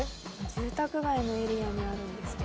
住宅街のエリアにあるんですね。